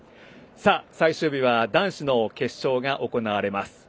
最終日は男子の決勝が行われます。